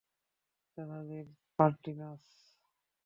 চাচাদের party নাচ।